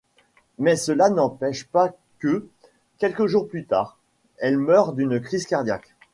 Mais cela n’empêche pas que, quelques jours plus tard, elle meurt d'une crise cardiaque.